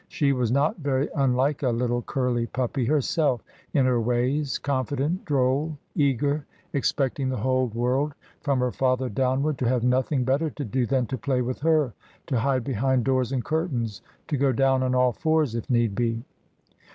She was not very unlike a little curly puppy herself in her ways, confident, droll, eager, expecting the whole ABOUT PHRAISIE. 275 world, from her father downward, to have nothing better to do than to play with her, to hide behind doors and curtains, to go down on all fours if need be.